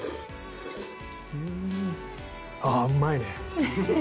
ああ、うまいね。